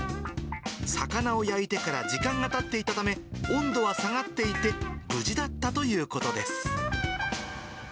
魚を焼いてから時間がたっていたため、温度は下がっていて、無事だったということです。